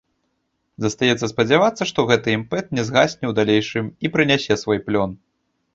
Застаецца спадзявацца, што гэты імпэт не згасне ў далейшым і прынясе свой плён.